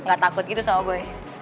gak takut gitu sama gue